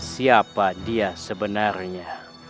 siapa dia sebenarnya